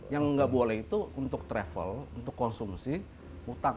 yang nggak boleh itu untuk travel untuk konsumsi utang